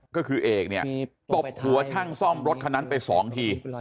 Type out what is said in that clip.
ก็คือเอกเนี่ยตบหัวช่างซ่อมรถคันนั้นไป๒ที